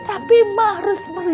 tapi mak harus pergi